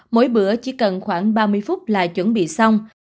mỗi bữa chỉ cần khoảng ba mươi phút là chuẩn bị xong